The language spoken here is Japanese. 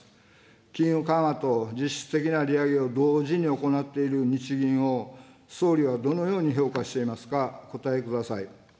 金融緩和と実質的な利上げを同時に行っている日銀を、総理はどのように評価していますか、お答えください。